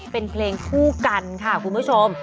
เป็นเพลงคู่กันค่ะคุณผู้ชม